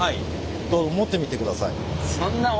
どうぞ持ってみてください。